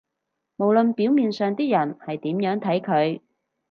無論表面上啲人係點樣睇佢